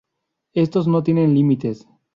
Estos no tienen límites.